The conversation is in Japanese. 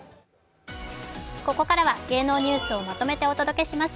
ここからは芸能ニュースをまとめてお届けします。